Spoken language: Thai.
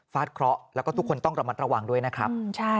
เคราะห์แล้วก็ทุกคนต้องระมัดระวังด้วยนะครับ